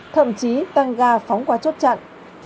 thậm chí tăng ga phóng qua chốt chặn